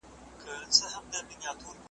د بد زوی له لاسه ښه پلار ښکنځل کېږي .